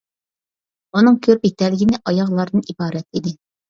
ئۇنىڭ كۆرۈپ يېتەلىگىنى ئاياغلاردىن ئىبارەت ئىدى.